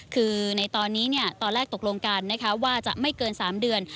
คือในตอนนี้ตอนแรกตกลงกันนะคะว่าจะไม่เกิน๓เดือน